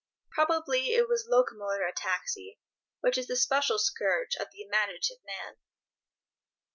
Probably it was locomotor ataxy, which is the special scourge of the imaginative man.